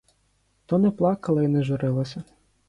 То не плакала й не журилася.